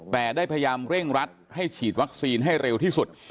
แต่ได้พยายามเร่งรัดให้ฉีดวัคซีนให้เร็วที่สุด